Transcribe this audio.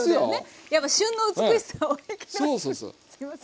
やっぱ旬の美しさをね。